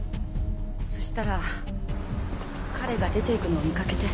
そしたら彼が出ていくのを見かけて。